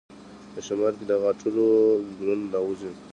په شمال کې د غاټول ګلونه راوځي.